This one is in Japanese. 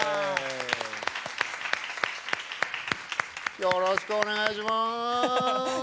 よろしくお願いします！